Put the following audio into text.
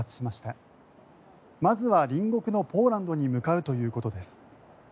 まずは隣国のポーランドに向かうということです。